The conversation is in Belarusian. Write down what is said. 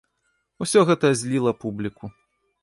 Усё гэта зліла публіку.